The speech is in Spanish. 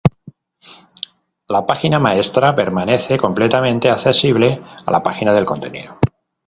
La página maestra permanece completamente accesible a la página del contenido.